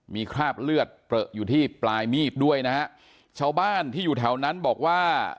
มีคราบเลือดเปลืออยู่ที่ปลายมีดด้วยนะฮะชาวบ้านที่อยู่แถวนั้นบอกว่า